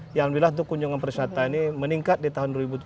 alhamdulillah untuk kunjungan wisata ini meningkat di tahun dua ribu tujuh belas